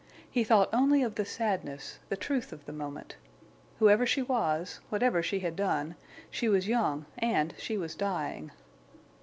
He thought only of the sadness, the truth of the moment. Whoever she was—whatever she had done—she was young and she was dying.